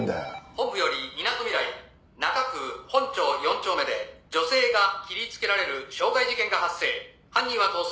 「本部よりみなとみらい」「中区本町４丁目で女性が切りつけられる傷害事件が発生」「犯人は逃走」